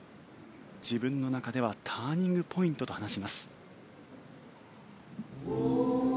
自分の中ではターニングポイントと話します。